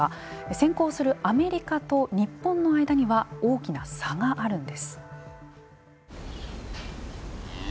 先行するアメリカと日本の間には大きな差があるんです。